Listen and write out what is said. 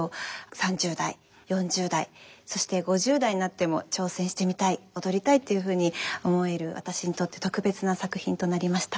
３０代４０代そして５０代になっても挑戦してみたい踊りたいっていうふうに思える私にとって特別な作品となりました。